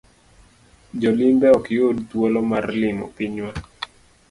Jolimbe ok yud thuolo mar limo pinywa.